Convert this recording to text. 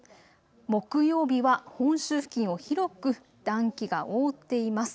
木曜日は本州付近を広く暖気が覆っています。